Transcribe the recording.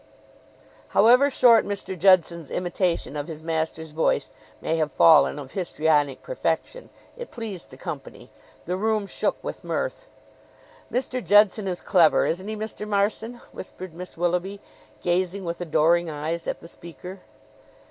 '" However short Mr. Judson's imitation of his master's voice may have fallen of histrionic perfection, it pleased the company. The room shook with mirth. "Mr. Judson is clever, isn't he, Mr. Marson?" whispered Miss Willoughby, gazing with adoring eyes at the speaker.